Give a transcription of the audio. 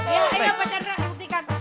ya ayo pak jandra buktikan